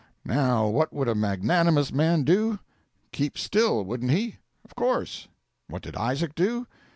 Now, what would a magnanimous man do? Keep still, wouldn't he? Of course. What did Isaac do?